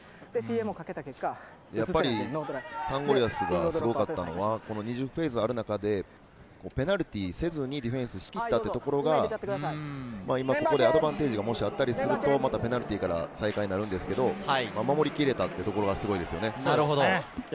やっぱりサンゴリアスがすごかったのは、２０フェーズある中で、ペナルティーせずにディフェンスしきったというところが、ここでアドバンテージがあったりするとペナルティーから再開になるんですが、守り切れたのがすごいですね。